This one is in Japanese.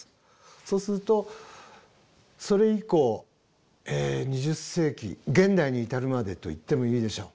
そうするとそれ以降２０世紀現代に至るまでと言ってもいいでしょう。